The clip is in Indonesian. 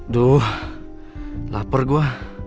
duh lapar gue